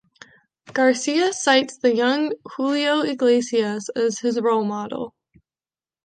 Garcia cites the young Julio Iglesias as his role model.